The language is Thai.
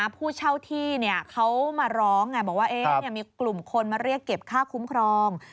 ผู้เช่าที่เขามาร้องบอกว่ามีกลุ่มคนมาเรียกเก็บค่าคุ้มครอง